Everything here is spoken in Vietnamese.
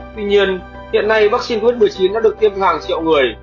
tuy nhiên hiện nay vắc xin covid một mươi chín đã được tiêm hàng triệu người